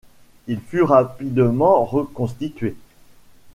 Il fut rapidement reconstitué.